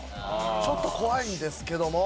ちょっと怖いんですけども。